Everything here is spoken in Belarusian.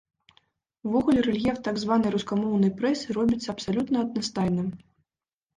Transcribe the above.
Увогуле рэльеф так званай рускамоўнай прэсы робіцца абсалютна аднастайным.